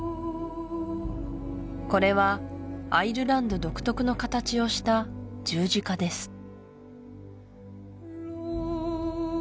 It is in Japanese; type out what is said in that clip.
これはアイルランド独特の形をした十字架です